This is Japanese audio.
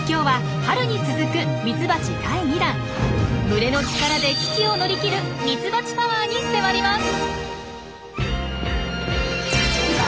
群れの力で危機を乗り切るミツバチパワーに迫ります！